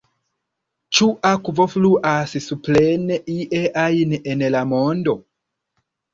Ĉu akvo fluas supren ie ajn en la mondo?